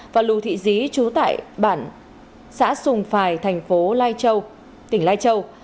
và lù thị dí chú tại bản xã sùng phài thành phố lai châu tỉnh lai châu